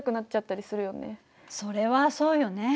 それはそうよね。